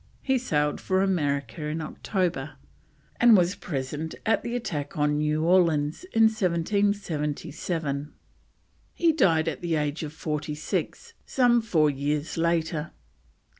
He sailed for America in October, and was present at the attack on New Orleans in 1777; he died at the age of forty six, some four years later.